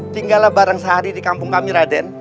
tinggallah barang sehari di kampung kami raden